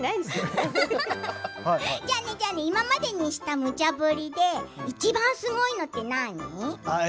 今までにしたむちゃ振りでいちばんすごいのは何？